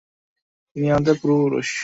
ইনি আমাদের পূর্বপুরুষ।